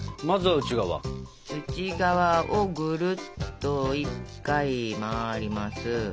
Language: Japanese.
内側をぐるっと１回回ります。